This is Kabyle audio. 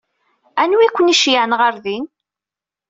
Anwa i ken-iceyyɛen ɣer din?